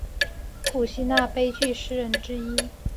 古希腊悲剧诗人之一。